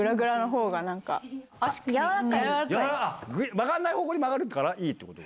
曲がらない方向に曲がるからいいってこと？